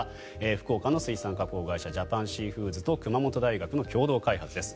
福岡の水産加工会社のジャパンシーフーズと熊本大学の共同開発です。